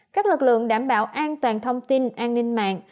các lực lượng đảm bảo an toàn thông tin